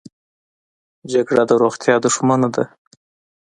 جګړه د روغتیا دښمنه ده